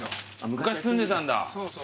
昔住んでたんだ。